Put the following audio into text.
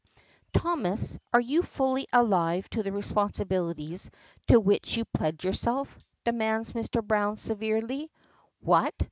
"Thomas, are you fully alive to the responsibilities to which you pledge yourself?" demands Mr. Browne severely. "What?"